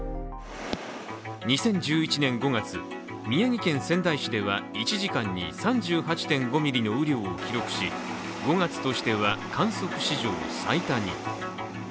２０１１年５月、宮城県仙台市では１時間に３８．５ミリの雨量を記録し５月としては、観測史上最多に。